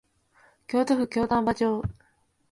京都府京丹波町